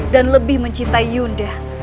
dan lebih mencintai yunda